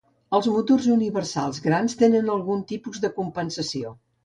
Els motors universals grans tenen algun tipus de compensació.